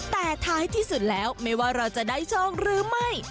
แต่ท้ายที่สุดแล้วไม่ว่าเราจะได้โชคหรือไม่